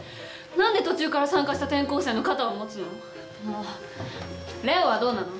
何で途中から参加した転校生の肩を持つの？